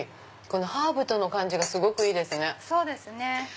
ハーブとの感じがすごくいいですね。